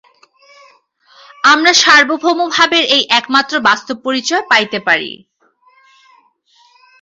আমরা সার্বভৌম ভাবের এই একমাত্র বাস্তব পরিচয় পাইতে পারি।